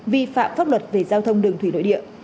vi phạm pháp luật về giao thông đường thủy nội địa